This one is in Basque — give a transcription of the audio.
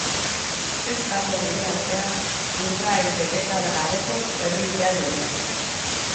Ez dago gure artean urdail betekada gabeko herri-jai onik.